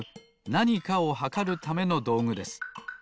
なにかをはかるためのどうぐです。